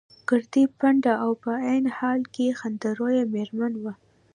ګردۍ، پنډه او په عین حال کې خنده رویه مېرمن وه.